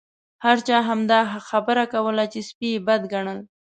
هر چا همدا خبره کوله سپي یې بد ګڼل.